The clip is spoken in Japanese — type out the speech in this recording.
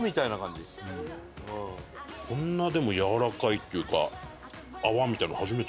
こんなでもやわらかいっていうか泡みたいなの初めて。